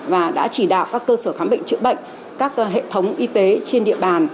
và đã chỉ đạo các cơ sở khám bệnh chữa bệnh các hệ thống y tế trên địa bàn